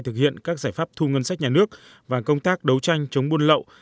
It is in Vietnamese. thực hiện các giải pháp thu ngân sách nhà nước và công tác đấu tranh chống buôn lậu